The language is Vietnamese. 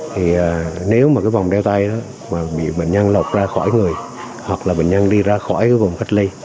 thì nếu mà cái vòng đeo tay đó bị bệnh nhân lột ra khỏi người hoặc là bệnh nhân đi ra khỏi cái vòng cách ly